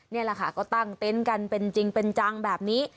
นี่แหละค่ะก็ตั้งเต็นต์กันเป็นจริงเป็นจังแบบนี้